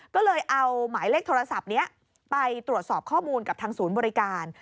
ก็เลยเอาหมายเลขโทรศัพท์นี้ไปตรวจสอบข้อมูลกับทางศูนย์บริการ